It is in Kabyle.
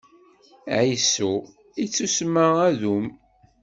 Ɛisu, ittusemma Adum.